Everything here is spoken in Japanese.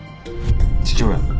父親？